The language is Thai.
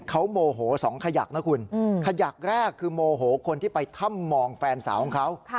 เขาโมโหสองขยักนะคุณขยักแรกคือโมโหคนที่ไปถ้ำมองแฟนสาวของเขา